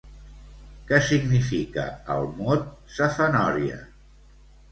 Què significa el mot safanòria?